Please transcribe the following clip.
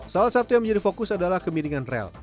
salah satu yang menjadi fokus adalah kemiringan rel